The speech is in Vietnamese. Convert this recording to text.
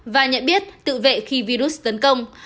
và nhận biết tự vệ khi virus tấn công